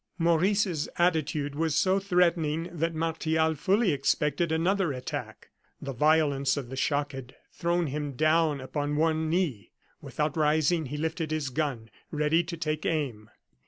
Maurice's attitude was so threatening that Martial fully expected another attack. The violence of the shock had thrown him down upon one knee; without rising, he lifted his gun, ready to take aim.